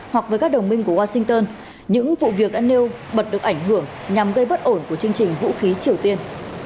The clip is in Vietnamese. hoặc với các đồng minh của washington những vụ việc đã nêu bật được ảnh hưởng nhằm gây bất ổn của chương trình vũ khí triều tiên